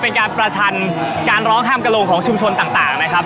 เป็นการประชันการร้องห้ามกระโลงของชุมชนต่างนะครับ